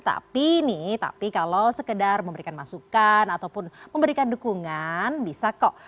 tapi nih tapi kalau sekedar memberikan masukan ataupun memberikan dukungan bisa kok